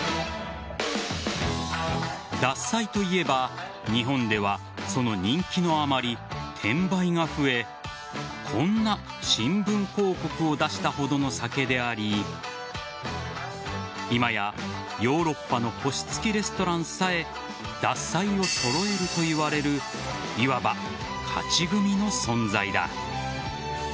獺祭といえば日本ではその人気のあまり転売が増えこんな新聞広告を出したほどの酒であり今や、ヨーロッパの星付きレストランさえ獺祭を揃えるといわれるいわば勝ち組の存在だ。